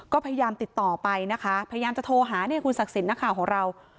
ก็พยายามติดต่อไปนะคะพยายามจะโทรหาเนี่ยคุณศักดิ์สิทธิ์นักข่าวของเรา